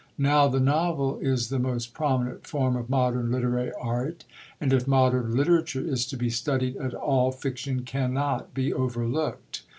Now the novel is the most prominent form of modern literary art; and if modern literature is to be studied at all, fiction cannot be overlooked.